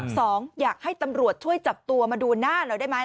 อยากให้ตำรวจช่วยจับตัวมาดูหน้าเราได้ไหม